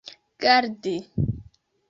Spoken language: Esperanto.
gardi